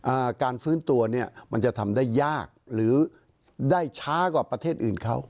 อ่าการฟื้นตัวเนี้ยมันจะทำได้ยากหรือได้ช้ากว่าประเทศอื่นเข้า